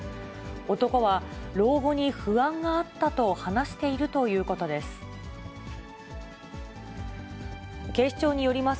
男は老後に不安があったと話しているということです。